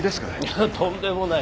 いやとんでもない。